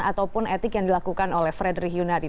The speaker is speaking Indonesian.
ataupun etik yang dilakukan oleh frederick yunadi